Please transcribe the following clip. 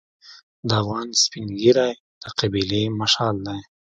د افغان سپین ږیری د قبیلې مشعل دی.